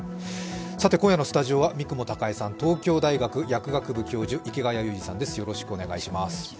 今夜のスタジオは三雲孝江さん、東京大学薬学部教授池谷裕二さんです、よろしくお願いします。